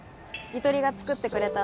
ゆとりが作ってくれたんだ。